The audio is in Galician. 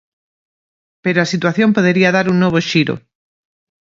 Pero a situación podería dar un novo xiro.